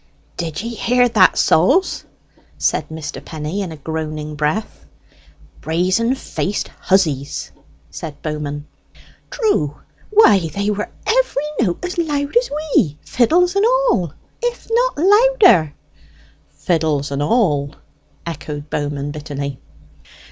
"Did ye hear that, souls?" Mr. Penny said, in a groaning breath. "Brazen faced hussies!" said Bowman. "True; why, they were every note as loud as we, fiddles and all, if not louder!" "Fiddles and all!" echoed Bowman bitterly.